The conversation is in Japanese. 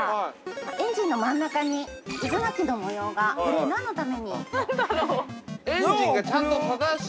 エンジンの真ん中に渦巻きの模様が、これ何のために。